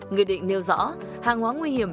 nghị định nêu rõ hàng hóa nguy hiểm